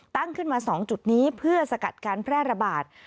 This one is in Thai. ตั้งขึ้นมา๒จุดนี้เพื่อสกัดการแพร่ระบาด